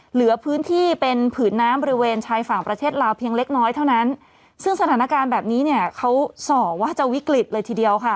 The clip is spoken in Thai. เหลือพื้นที่เป็นผืนน้ำบริเวณชายฝั่งประเทศลาวเพียงเล็กน้อยเท่านั้นซึ่งสถานการณ์แบบนี้เนี่ยเขาส่อว่าจะวิกฤตเลยทีเดียวค่ะ